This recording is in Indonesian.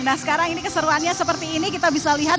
nah sekarang ini keseruannya seperti ini kita bisa lihat